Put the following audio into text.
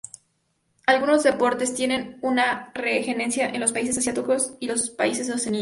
Algunos deportes tienen una regencia de los países asiáticos y los países de Oceanía.